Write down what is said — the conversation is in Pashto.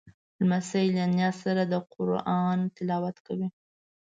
لمسی له نیا سره د قرآن تلاوت کوي.